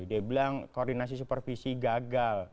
dia bilang koordinasi supervisi gagal